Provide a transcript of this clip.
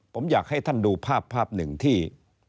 ผมอยากให้ท่านดูภาพภาพหนึ่งที่